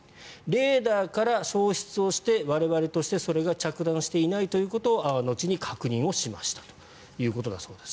レーダーから消失をして我々として、それが着弾していないということを後に確認しましたということだそうです。